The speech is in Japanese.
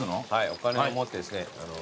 お金を持ってですね